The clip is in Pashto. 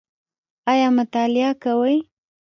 ایا مطالعه کوئ؟